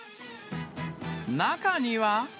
中には。